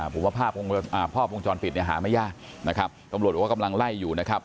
ผมว่าภาพวงจรปิดเนี่ยหาไม่ยากนะครับตำรวจบอกว่ากำลังไล่อยู่นะครับ